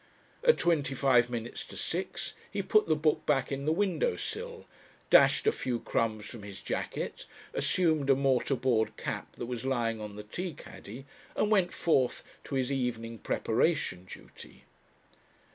At twenty five minutes to six he put the book back in the window sill, dashed a few crumbs from his jacket, assumed a mortar board cap that was lying on the tea caddy, and went forth to his evening "preparation duty."